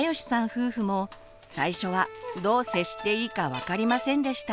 夫婦も最初はどう接していいか分かりませんでした。